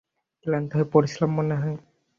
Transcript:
ক্লান্ত হয়ে পড়েছিলাম মনে হয়।